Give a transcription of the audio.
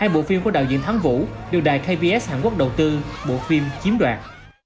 hai bộ phim của đạo diễn thắng vũ được đài kbs hàn quốc đầu tư bộ phim chiếm đoạn